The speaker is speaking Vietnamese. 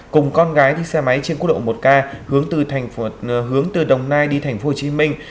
cùng con gái đi xe máy trên quốc lộ một k hướng từ hướng từ đồng nai đi thành phố hồ chí minh